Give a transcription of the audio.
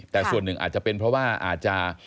แต่ส่วนหนึ่งอาจจะเป็นเพราะว่าอาจจะ